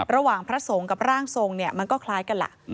ระหว่างพระทรงกับร่างทรงเนี่ยมันก็คล้ายกันล่ะ